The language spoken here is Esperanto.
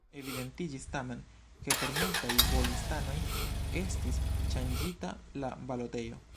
Evidentiĝis tamen, ke por multaj B-listanoj estis ŝanĝita la balotejo.